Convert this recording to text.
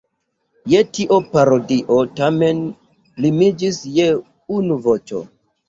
Je tio parodio tamen limiĝis je unu voĉo.